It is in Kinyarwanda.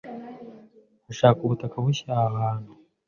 hashakwa ubutaka bushya aho hantu